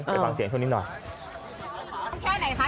ไปฟังเสียงส่วนนี้หน่อยค่ะแล้วแค่ไหนคะ